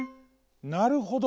なるほど。